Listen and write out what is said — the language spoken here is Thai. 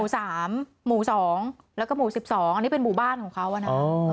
หมู่สามหมูสองแล้วก็หมู่สิบสองอันนี้เป็นหมู่บ้านของเขาอ่ะนะ